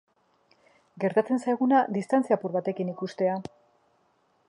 Gertatzen zaiguna distantzia apur batekin ikustea.